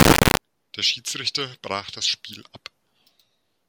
Der Schiedsrichter brach das Spiel ab.